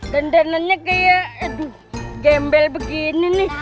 dendanya kayak aduh gembel begini nih